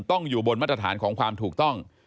ต้องอยู่บนมาตรฐานของความถูกต้อง